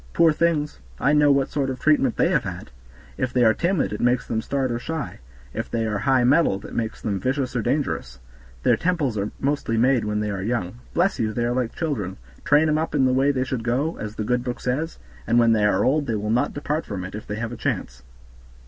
Poor things! I know what sort of treatment they have had. If they are timid it makes them start or shy; if they are high mettled it makes them vicious or dangerous; their tempers are mostly made when they are young. Bless you! they are like children, train 'em up in the way they should go, as the good book says, and when they are old they will not depart from it, if they have a chance."